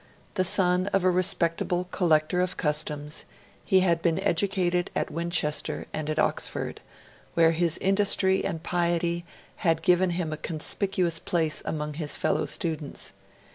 The son of a respectable Collector of Customs, he had been educated at Winchester and at Oxford, where his industry and piety had given him a conspicuous place among his fellow students.